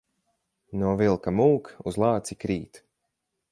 No vilka mūk, uz lāci krīt.